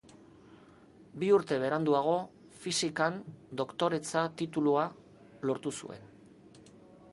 Bi urte beranduago, Fisikan Doktoretza titulua lortu zuen.